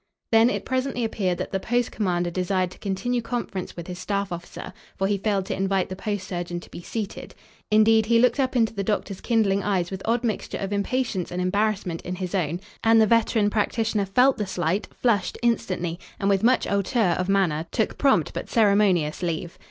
Then it presently appeared that the post commander desired to continue conference with his staff officer, for he failed to invite the post surgeon to be seated. Indeed, he looked up into the doctor's kindling eyes with odd mixture of impatience and embarrassment in his own, and the veteran practitioner felt the slight, flushed instantly, and, with much hauteur of manner, took prompt but ceremonious leave.